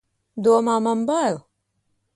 Domā, man bail!